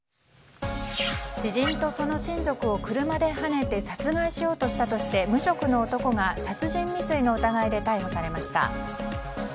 知人とその親族を車ではねて殺害しようとしたとして無職の男が殺人未遂の疑いで逮捕されました。